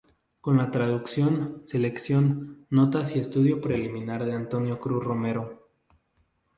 Con la traducción, selección, notas y estudio preliminar de Antonio Cruz Romero.